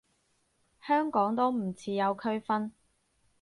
香港都唔似有區分